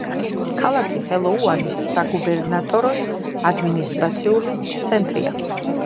ქალაქი ჰელუანის საგუბერნატოროს ადმინისტრაციული ცენტრია.